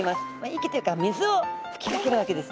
息っていうか水を吹きかけるわけですね。